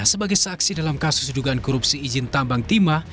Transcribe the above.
sebagai saksi dalam kasus dugaan korupsi izin tambang timah